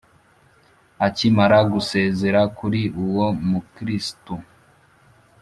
akimara gusezera kuri uwo mukristu,